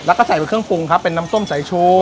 แล้วก็ใส่เป็นเครื่องปรุงครับเป็นน้ำส้มสายชู